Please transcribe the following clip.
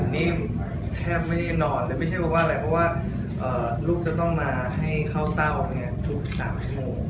นิ่มแทบไม่ได้นอนแต่ไม่ใช่ว่าอะไรเพราะว่าลูกจะต้องมาให้เข้าเต้าออกทุก๓ชั่วโมง